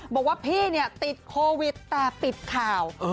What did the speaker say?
บอกว่าพี่ติดโควิดแต่ปิดข่าว